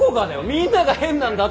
みんなが変なんだって！